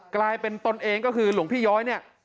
กลายเป็นตนเองก็คือหลวงพี่ย้อยเนี่ย